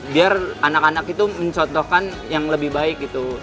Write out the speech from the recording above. biar anak anak itu mencontohkan yang lebih baik gitu